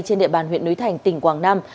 trên địa bàn huyện núi thành tỉnh quảng nam